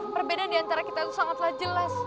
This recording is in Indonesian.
perbedaan diantara kita itu sangatlah jelas